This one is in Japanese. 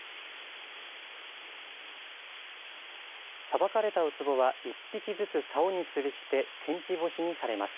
さばかれたウツボは１匹ずつさおにつるして天日干しにされます。